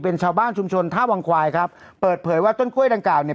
เป็นชาวบ้านชุมชนท่าวังควายครับเปิดเผยว่าต้นกล้วยดังกล่าวเนี่ย